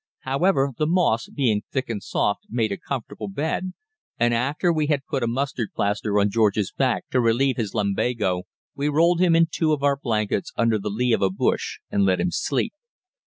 However, the moss, being thick and soft, made a comfortable bed, and after we had put a mustard plaster on George's back to relieve his lumbago, we rolled him in two of our blankets under the lee of a bush and let him sleep.